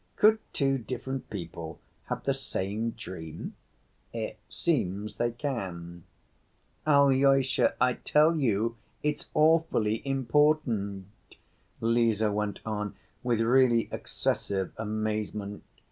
Could two different people have the same dream?" "It seems they can." "Alyosha, I tell you, it's awfully important," Lise went on, with really excessive amazement.